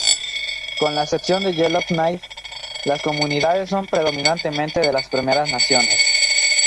Con la excepción de Yellowknife, las comunidades son predominantemente de las Primeras Naciones.